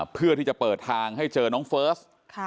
เพื่อที่จะเปิดทางให้เจอน้องเฟิร์ส